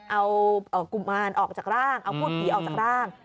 เอากุมารออกจากร่างเอาพูดผีออกจากร่าง